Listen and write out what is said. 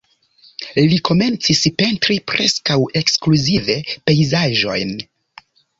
Li komencis pentri preskaŭ ekskluzive pejzaĝojn.